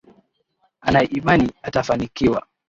Ana imani atafanikiwa